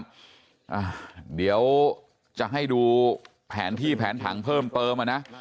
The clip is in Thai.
อ่าเดี๋ยวจะให้ดูแผนที่แผนผังเพิ่มเติมอ่ะนะ